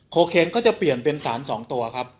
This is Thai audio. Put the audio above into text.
เคนก็จะเปลี่ยนเป็นสาร๒ตัวครับ